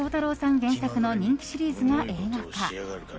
原作の人気シリーズが映画化。